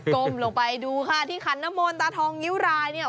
กลมลงไปดูค่ะที่ขณะน้ำมนต์ตาทองเงี้ยวรายเนี่ย